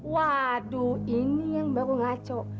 waduh ini yang baru ngaco